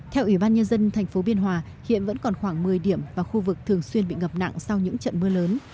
theo ủy ban nhân dân thành phố biên hòa hiện vẫn còn khoảng một mươi điểm và khu vực thường xuyên bị ngập nặng sau những trận mưa lớn